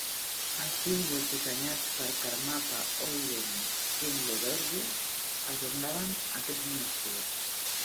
Els símbols dissenyats per Karmapa Ogyen Trinley Dorje adornaven aquests monestirs.